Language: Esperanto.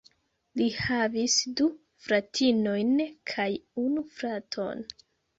Li havis du fratinojn kaj unu fraton.